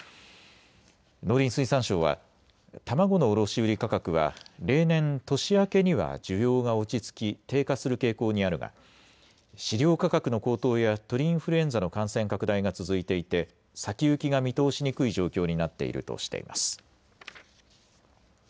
農林水産省は卵の卸売価格は例年、年明けには需要が落ち着き低下する傾向にあるが飼料価格の高騰や鳥インフルエンザの感染拡大が続いていて先行きが見通しにくい状況になっているとしています。